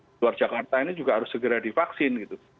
di luar jakarta ini juga harus segera divaksin gitu